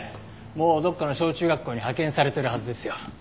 もうどこかの小中学校に派遣されてるはずですよ。